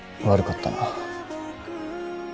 悪かったな。